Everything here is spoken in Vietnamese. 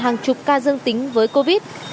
hàng chục ca dương tính với covid